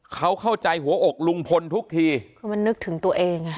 เขาเข้าใจหัวอกลุงพลทุกทีคือมันนึกถึงตัวเองอ่ะ